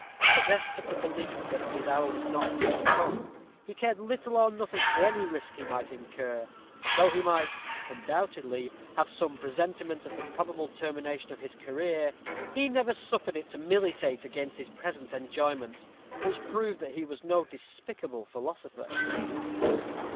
Possessed of the belief that his hour was not yet come, he cared little or nothing for any risk he might incur; and though he might, undoubtedly, have some presentiment of the probable termination of his career, he never suffered it to militate against his present enjoyment, which proved that he was no despicable philosopher.